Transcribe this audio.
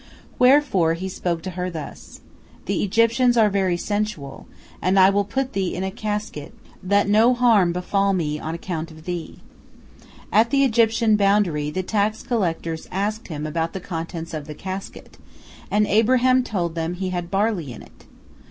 Wherefore he spoke to her thus, "The Egyptians are very sensual, and I will put thee in a casket that no harm befall me on account of thee." At the Egyptian boundary, the tax collectors asked him about the contents of the casket, and Abraham told them he had barley in it.